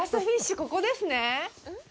ここですね。